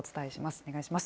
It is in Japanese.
お願いします。